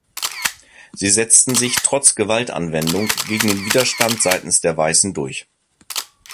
Sie setzten sich, trotz Gewaltanwendung, gegen den Widerstand seitens der Weißen durch.